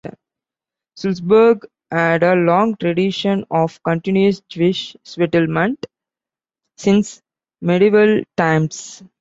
Sulzburg had a long tradition of continuous Jewish settlement since medieval times.